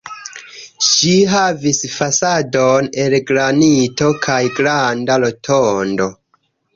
Ĝi havis fasadon el granito kaj granda rotondo.